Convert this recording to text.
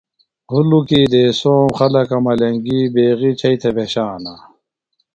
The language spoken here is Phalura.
ہُلُکی دیسوم خلکہ ملنگی بیغی چھیئی تھےۡ بھشانہ۔